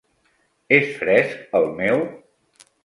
És fresc, el meu?